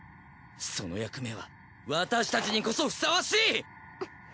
その役目は私たちにこそふさわしい！